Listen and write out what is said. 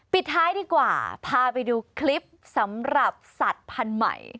ปิดท้ายดีกว่าพาไปดูคลิปสำหรับสัตว์พันธุ์ใหม่